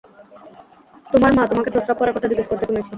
তোমার মা তোমাকে প্রস্রাব করার কথা জিজ্ঞেস করতে শুনেছি।